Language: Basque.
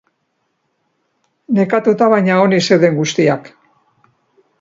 Nekatuta baina onik zeuden guztiak.